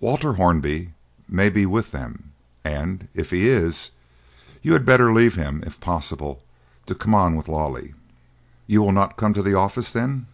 Walter Hornby may be with them, and, if he is, you had better leave him, if possible, to come on with Lawley." "You will not come to the office, then?"